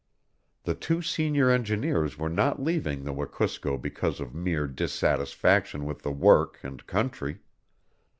The two senior engineers were not leaving the Wekusko because of mere dissatisfaction with the work and country.